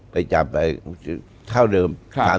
ไปจับไปเท่าเดิม